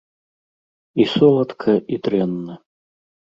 І соладка і дрэнна.